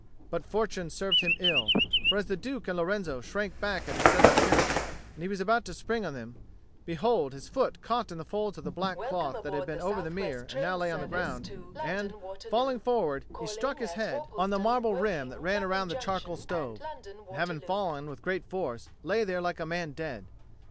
But fortune served him ill; for as the Duke and Lorenzo shrank back at his sudden appearance, and he was about to spring on them, behold, his foot caught in the folds of the black cloth that had been over the mirror and now lay on the ground, and, falling forward, he struck his head on the marble rim that ran round the charcoal stove, and, having fallen with great force, lay there like a man dead.